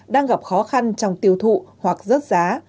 đang gặp khó khăn trong tiêu thụ hoặc rớt giá